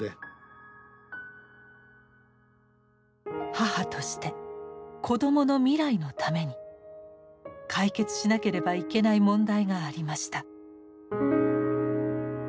母として子どもの未来のために解決しなければいけない問題がありました。